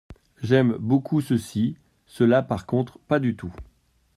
J’aime beaucoup ceux-ci, ceux-là par contre pas du tout.